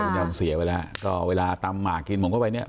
คุณยอมเสียไปแล้วก็เวลาตำหมากกินผมก็ไปเนี่ย